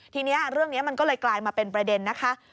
ทีนี้เรื่องนี้มันก็เลยกลายมาเป็นประเด็นนะคะ